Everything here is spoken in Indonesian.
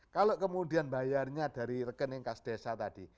kalau kemudian bayarnya dari rekening kas desa tadi